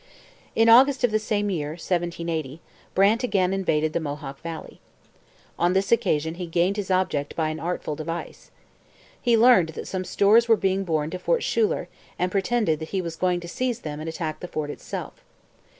In August of the same year, 1780, Brant again invaded the Mohawk valley. On this occasion he gained his object by an artful device. He learned that some stores were being borne to Fort Schuyler and pretended that he was going to seize them and attack the fort itself.